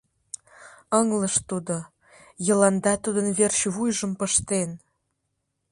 Ыҥлыш тудо: Йыланда тудын верч вуйжым пыштен!!!